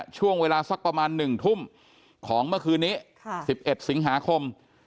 ช่วงเวลาสักประมาณ๑ทุ่มของเมื่อคืนนี้๑๑สิงหาคม